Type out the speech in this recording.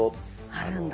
あるんだ。